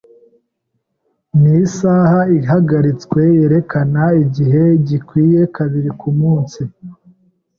N'isaha ihagaritswe yerekana igihe gikwiye kabiri kumunsi.